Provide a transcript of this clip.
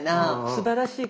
すばらしい！